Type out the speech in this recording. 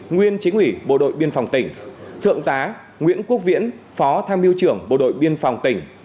nguyên chỉ huy bộ đội biên phòng tỉnh thượng tá nguyễn quốc viễn phó tham miu trưởng bộ đội biên phòng tỉnh